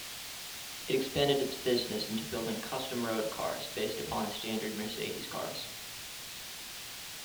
It expanded its business into building "custom" road cars based upon standard Mercedes cars.